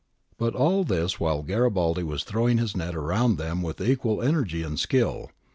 But all this while Garibaldi was throwing his net round them with equal energy and skill.